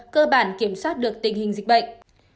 cơ bản kiểm soát được tình hình dịch bệnh